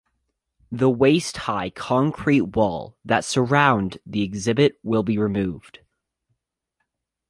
The waist high concrete wall that surround the exhibit will be removed.